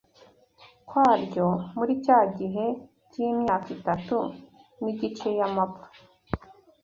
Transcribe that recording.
kwaryo muri cya gihe cy’imyaka itatu n’igice y’amapfa